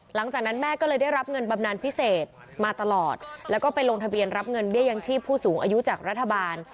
หลังจากนั้นแม่ก็เลยได้รับเงินบำนานพิเศษมาตลอดแล้วก็ไปลงทะเบียนรับเงินเบี้ยยังชีพผู้สูงอายุจากรัฐบาล